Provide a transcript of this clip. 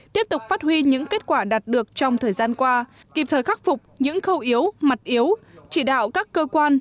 tiếp tục phát huy những kết quả đạt được trong thời gian qua kịp thời khắc phục những khâu yếu mặt yếu chỉ đạo các cơ quan